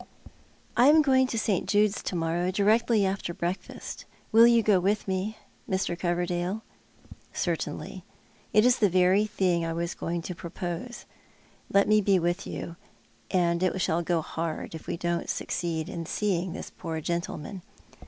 " I am going to St. Jude's to morrow, directly after breakfast. Will you go with me, Mr. Coverdale? "" Certainly. It is the very thing I was going to propose. Let me be with you, and it shall go hard if we don't succeed in seeing this poor gentleman."